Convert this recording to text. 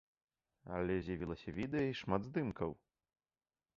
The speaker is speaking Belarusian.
Але з'явілася відэа і шмат здымкаў.